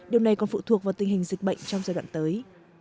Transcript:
điều này còn phụ thuộc vào tình hình dịch bệnh trong giai đoạn tới